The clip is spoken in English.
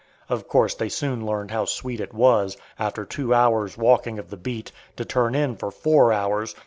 Of course they soon learned how sweet it was, after two hours' walking of the beat, to turn in for four hours!